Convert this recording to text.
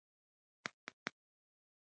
يو قادرالکلام شاعر هم وو